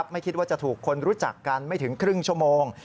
ไม่คิดว่าจะถูกคนรู้จักกันไม่ถึงครึ่งชั่วโมง